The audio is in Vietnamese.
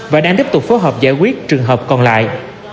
và đang tiếp tục phối hợp giải quyết trường hợp còn lại